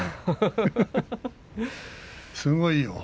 すごいよ。